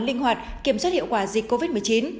linh hoạt kiểm soát hiệu quả dịch covid một mươi chín